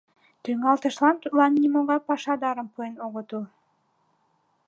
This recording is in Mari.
Тӱҥалтышлан тудлан нимогай пашадарым пуэн огытыл.